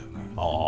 ああ